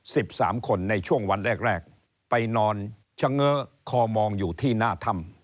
สิบสามคนในช่วงวันแรกแรกไปนอนเฉง้อคอมองอยู่ที่หน้าถ้ำ